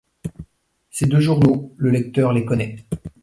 Ces deux journaux, le lecteur les connaît.